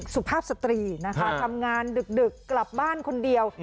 สุภาพสตรีนะคะทำงานดึกกลับบ้านคนเดียว